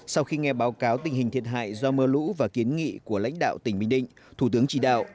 sau khi nghe báo cáo tình hình thiệt hại do mưa lũ và kiến nghị của lãnh đạo tỉnh bình định thủ tướng chỉ đạo